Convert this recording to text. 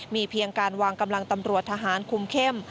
มีเพียงการวางกำลังตำรวจทหารคุมเข้ม